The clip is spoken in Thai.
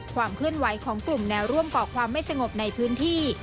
ความเคลื่อนไหวของกลุ่มแนวร่วมก่อความไม่สงบในพื้นที่